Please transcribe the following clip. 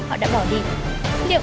mẹ mai con vừa chạy ra kia